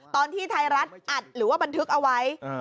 ตอนที่ไทยรัฐอัดหรือว่าบันทึกเอาไว้